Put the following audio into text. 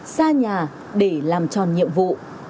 xa nhà để làm tròn nhiệm vụ